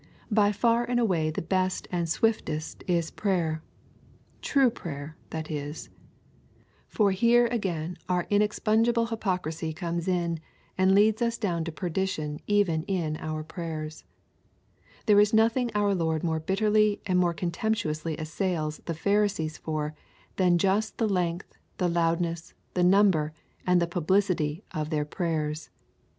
By far and away the best and swiftest is prayer. True prayer, that is. For here again our inexpugnable hypocrisy comes in and leads us down to perdition even in our prayers. There is nothing our Lord more bitterly and more contemptuously assails the Pharisees for than just the length, the loudness, the number, and the publicity of their prayers.